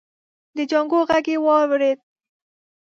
د جانکو غږ يې واورېد.